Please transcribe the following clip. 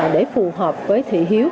để phù hợp với thị hiếu